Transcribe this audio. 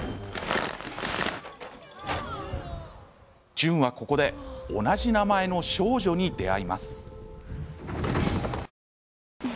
チュンは、ここで同じ名前の少女に出会います。